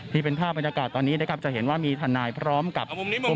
นี่เป็นภาพบรรยากาศตอนนี้นะครับจะเห็นว่ามีทนายพร้อมกับ